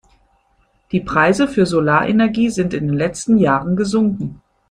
Die Preise für Solarenergie sind in den letzten Jahren gesunken.